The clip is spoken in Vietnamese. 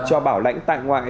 cho bảo lãnh tại ngoại